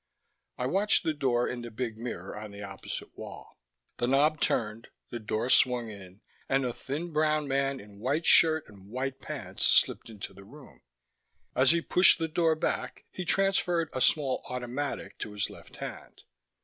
I watched the door in the big mirror on the opposite wall. The knob turned, the door swung in ... and a thin brown man in white shirt and white pants slipped into the room. As he pushed the door back he transferred a small automatic to his left hand.